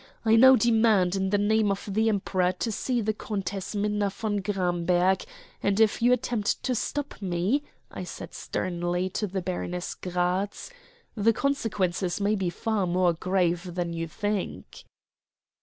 I now demand in the name of the Emperor to see the Countess Minna von Gramberg, and if you attempt to stop me," I said sternly to the Baroness Gratz, "the consequences may be far more grave than you think."